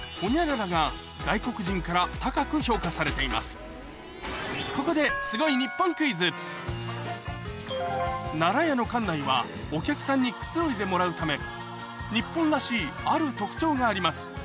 こちらのここで奈良屋の館内はお客さんにくつろいでもらうため日本らしいある特徴があります